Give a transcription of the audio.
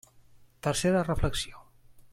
Tercera reflexió.